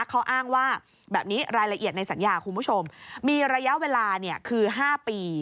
เขาอ้างว่าแบบนี้รายละเอียดในสัญญาคุณผู้ชมมีระยะเวลาคือ๕ปี